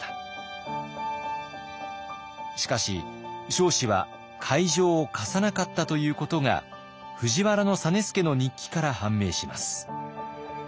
しかし彰子は会場を貸さなかったということが藤原実資の日記から判明します。